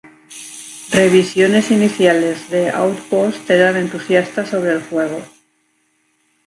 Revisiones iniciales de "Outpost" eran entusiastas sobre el juego.